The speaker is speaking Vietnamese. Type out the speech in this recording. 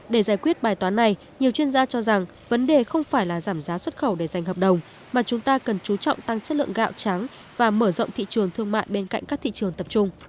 để giải quyết bài toán này nhiều chuyên gia cho rằng vấn đề không phải là giảm giá